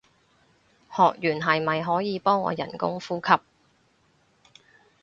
學完係咪可以幫我人工呼吸